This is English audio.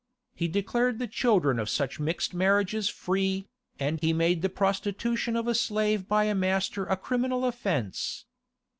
He declared the children of such mixed marriages free, and he made the prostitution of a slave by a master a criminal offence.